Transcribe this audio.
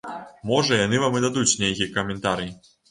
Можа яны вам і дадуць нейкі каментарый.